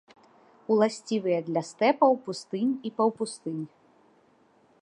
Уласцівыя для стэпаў, пустынь і паўпустынь.